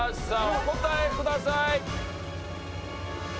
お答えください。